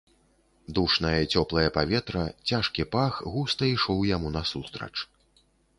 Душнае, цёплае паветра, цяжкі пах густа ішоў яму насустрач.